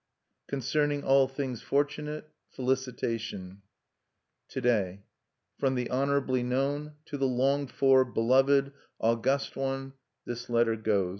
Concerning all things fortunate, felicitation. _To day, from the honorably known, to the longed for, beloved, august one, this letter goes.